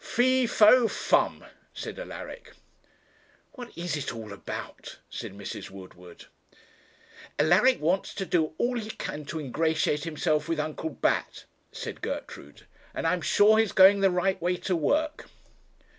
'Fee, fo, fum!' said Alaric. 'What is it all about?' said Mrs. Woodward. 'Alaric wants to do all he can to ingratiate himself with Uncle Bat,' said Gertrude; 'and I am sure he's going the right way to work.'